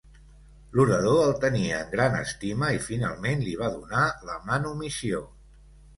L'orador el tenia en gran estima i finalment li va donar la manumissió.